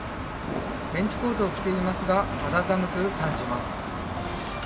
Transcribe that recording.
ベンチコートを着ていますが肌寒く感じます。